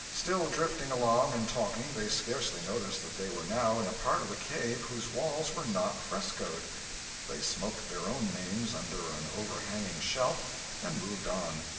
Still drifting along and talking, they scarcely noticed that they were now in a part of the cave whose walls were not frescoed. They smoked their own names under an overhanging shelf and moved on.